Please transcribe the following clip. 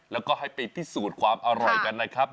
แล้วก็ให้ไปพิสูจน์ความอร่อยกันนะครับ